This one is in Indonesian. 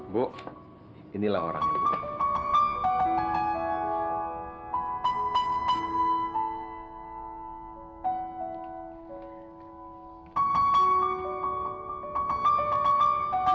bu inilah orangnya